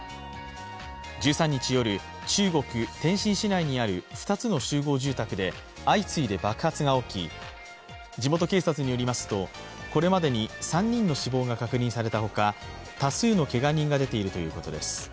１３日夜、中国・天津市内にある２つの集合住宅で相次いで爆発が起き、地元警察によりますとこれまでに３人の死亡が確認されたほか多数のけが人が出ているということです。